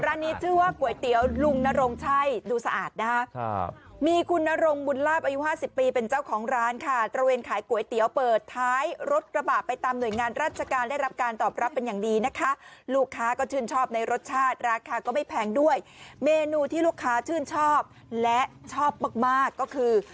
นี้ชื่อว่าก๋วยเตี๋ยวลุงนรงชัยดูสะอาดนะคะครับมีคุณนรงบุญลาบอายุห้าสิบปีเป็นเจ้าของร้านค่ะตระเวนขายก๋วยเตี๋ยวเปิดท้ายรถกระบะไปตามหน่วยงานราชการได้รับการตอบรับเป็นอย่างดีนะคะลูกค้าก็ชื่นชอบในรสชาติราคาก็ไม่แพงด้วยเมนูที่ลูกค้าชื่นชอบและชอบมากมากก็คือ